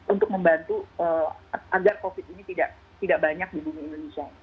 untuk membantu agar covid ini tidak banyak di bumi indonesia